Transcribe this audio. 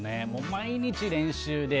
毎日、練習で。